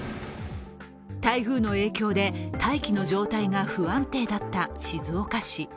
台風の影響で大気の状態が不安定だった静岡市。